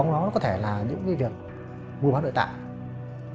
nó có thể là những cái việc mua bán nội tạng